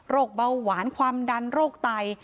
เบาหวานความดันโรคไต